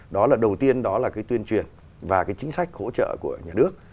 đó là đầu tiên đó là cái tuyên truyền và cái chính sách hỗ trợ của nhà nước